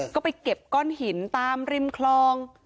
ก็ไปเก็บก้อนหินตามริมคลอง